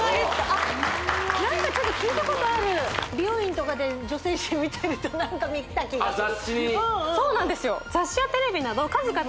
あっ何かちょっと聞いたことある美容院とかで女性誌見てると何か見てた気がするあっ